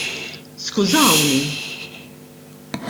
Skużawni!